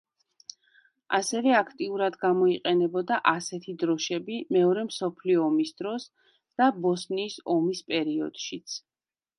ასევე აქტიურად გამოიყენებოდა ასეთი დროშები მეორე მსოფლიო ომის დროს და ბოსნიის ომის პერიოდშიც.